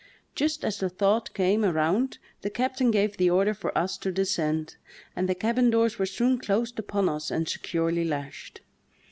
Just as the thought came around the captain gave the order for us to descend, and the cabin doors were soon closed upon us and securely lashed.